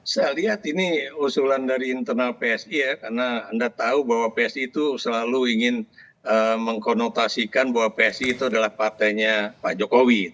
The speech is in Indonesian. saya lihat ini usulan dari internal psi ya karena anda tahu bahwa psi itu selalu ingin mengkonotasikan bahwa psi itu adalah partainya pak jokowi